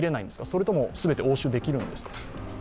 それとも全て押収できるんですか？